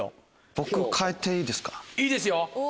いいですよ。